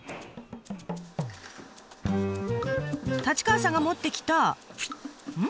立川さんが持ってきたうん？